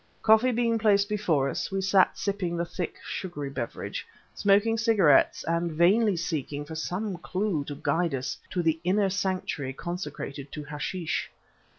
Coffee being placed before us, we sat sipping the thick, sugary beverage, smoking cigarettes and vainly seeking for some clue to guide us to the inner sanctuary consecrated to hashish.